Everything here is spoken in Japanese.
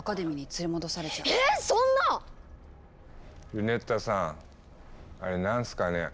ルネッタさんあれ何すかね？